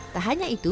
tak hanya itu